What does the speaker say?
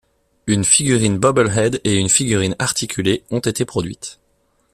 Une figurine bobblehead et une figurine articulée ont été produites.